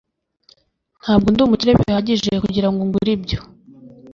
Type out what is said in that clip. ntabwo ndi umukire bihagije kugirango ngure ibyo